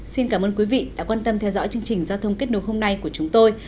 xin cảm ơn quý vị đã quan tâm theo dõi chương trình giao thông kết nối hôm nay của chúng tôi